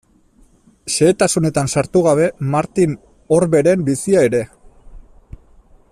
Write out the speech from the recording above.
Xehetasunetan sartu gabe Martin Orberen bizia ere.